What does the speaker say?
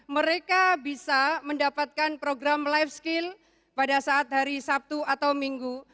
mereka bisa mendapatkan program life skill pada saat hari sabtu atau minggu